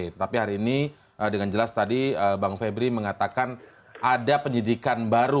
tetapi hari ini dengan jelas tadi bang febri mengatakan ada penyidikan baru